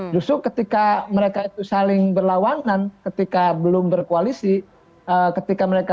justru ketika mereka itu saling berlawanan ketika belum berkoalisi ketika mereka